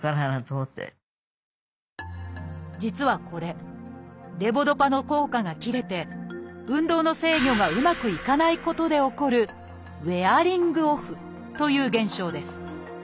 実はこれレボドパの効果が切れて運動の制御がうまくいかないことで起こる「ウェアリングオフ」という現象です。